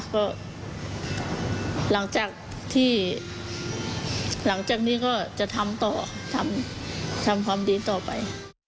ก็หลังจากที่หลังจากนี้ก็จะทำต่อทำความดีต่อไป